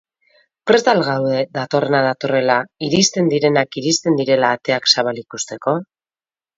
Prest al gaude datorrena datorrela, iristen direnak iristen direla ateak zabalik uzteko?